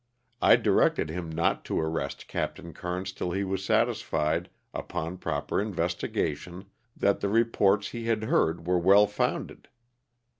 I directed him not to arrest Captain Kernes till he was satisfied, upon proper investigation, that the reports he had heard were well founded.